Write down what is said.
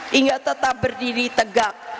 hingga tetap berdiri tegak